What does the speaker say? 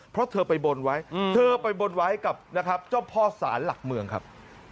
เพราะเธอไปบนไว้เธอไปบนไว้กับนะครับเจ้าพ่อสารหลักเมืองครับ